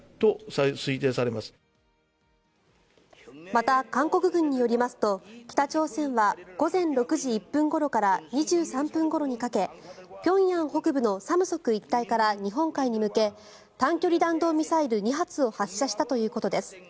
また、韓国軍によりますと北朝鮮は午前６時１分ごろから２３分ごろにかけ平壌北部の三石一帯から日本海に向け短距離弾道ミサイル２発を発射したということです。